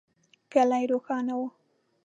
کلی روښانه و.